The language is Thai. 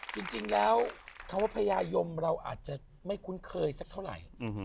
จริงแล้วคำว่าพญายมเราอาจจะไม่คุ้นเคยสักเท่าไหร่